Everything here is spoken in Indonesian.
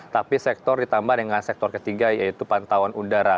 tapi sektor ditambah dengan sektor ketiga yaitu pantauan udara